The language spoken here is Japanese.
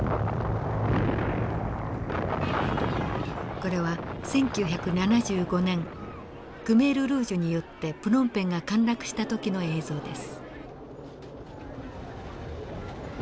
これは１９７５年クメール・ルージュによってプノンペンが陥落した時の映像です。